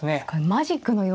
マジックのような。